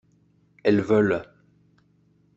Elles veulent.